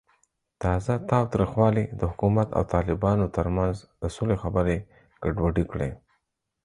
تازه تاوتریخوالی د حکومت او طالبانو ترمنځ د سولې خبرې ګډوډې کړې.